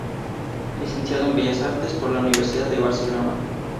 Licenciado en Bellas Artes por la Universidad de Barcelona.